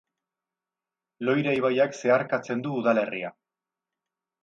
Loira ibaiak zeharkatzen du udalerria.